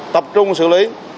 tập trung xử lý